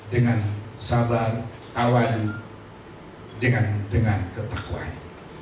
dengan sabar awal dengan ketakuan